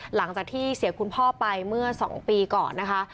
หลังจากที่เสียคุณพ่อไปเมื่อ๒ปีก่อนนะคะ